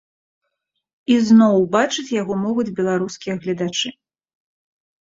Ізноў ўбачыць яго могуць беларускія гледачы.